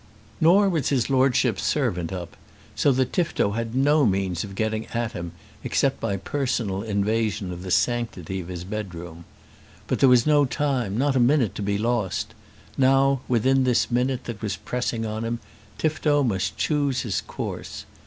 Nor was his Lordship's servant up, so that Tifto had no means of getting at him except by personal invasion of the sanctity of his bedroom. But there was no time, not a minute, to be lost. Now, within this minute that was pressing on him, Tifto must choose his course.